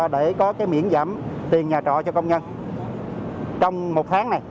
để có miễn giảm tiền nhà trọ cho công nhân trong một tháng này